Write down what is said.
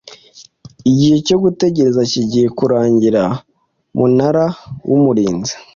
igihe cyo gutegereza kigiye kurangira umunara w umurinzi